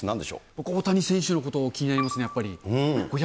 僕、大谷選手のこと気になりますね、やっぱり。